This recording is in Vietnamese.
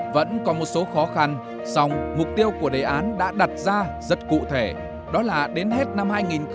vẫn có một số khó khăn dòng mục tiêu của đề án đã đặt ra rất cụ thể đó là đến hết năm hai nghìn hai mươi năm